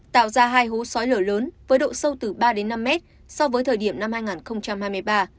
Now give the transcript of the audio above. tạo ra hai hố sói lở lớn với độ sâu từ ba đến năm mét so với thời điểm năm hai nghìn hai mươi ba